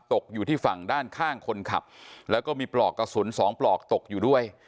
ตกอยู่ที่ฝั่งด้านข้างคนขับแล้วก็มีปลอกกระสุนสองปลอกตกอยู่ด้วย